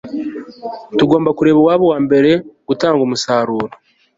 Tugomba kureba uwaba uwambere gutanga umusaruro